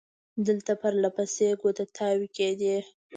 دلته پر له پسې کودتاوې کېدې.